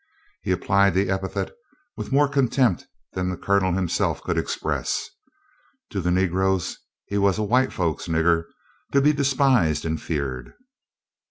He applied the epithet with more contempt than the Colonel himself could express. To the Negroes he was a "white folk's nigger," to be despised and feared.